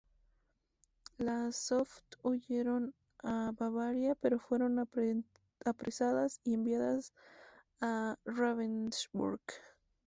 Las Soft huyeron a Bavaria pero fueron apresadas y enviadas a Ravensbrück.